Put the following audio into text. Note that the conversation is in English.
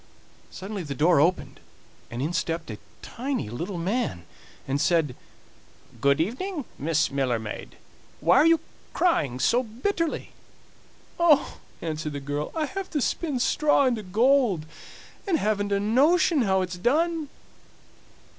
Suddenly the door opened, and in stepped a tiny little man and said: "Good evening, Miss Miller maid; why are you crying so bitterly?" "Oh!" answered the girl, "I have to spin straw into gold, and haven't a notion how it's done."